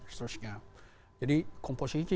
seterusnya jadi komposisi